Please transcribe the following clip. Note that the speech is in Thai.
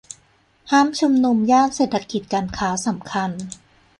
ห้ามชุมนุมย่านเศรษฐกิจการค้าสำคัญ